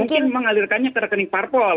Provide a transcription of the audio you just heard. mungkin mengalirkannya ke rekening parpol